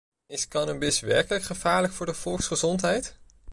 Is cannabis werkelijk gevaarlijk voor de volksgezondheid?